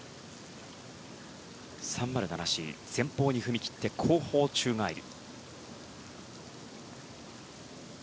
３０７Ｃ、前方に踏み切って後方宙返り。